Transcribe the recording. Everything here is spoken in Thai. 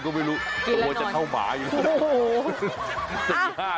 เป็นแมวอะไรก็ไม่รู้ว่าจะเข้าผ่าอยู่แล้ว